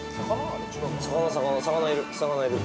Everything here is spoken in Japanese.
魚、魚、魚がいる。